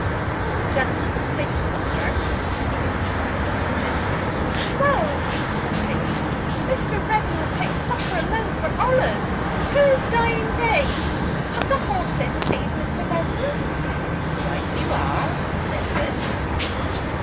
Will the gen'leman stay supper?' he inquired of Reddin. 'No!' said Hazel; 'Mr. Reddin'll take supper alone, for allus, to his dying day. Put the horse in, please, Mr. Vessons.' 'Right you are, missus.'